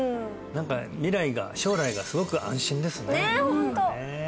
何か未来が将来がすごく安心ですねねえ